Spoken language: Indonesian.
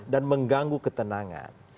dan mengganggu ketenangan